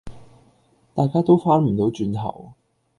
大家都翻唔到轉頭